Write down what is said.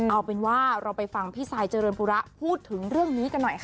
เอาเป็นว่าเราไปฟังพี่ซายเจริญปุระพูดถึงเรื่องนี้กันหน่อยค่ะ